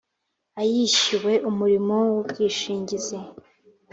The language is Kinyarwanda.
ayishyuwe umurimo w ubwishingizi